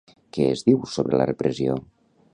Què es diu sobre la repressió?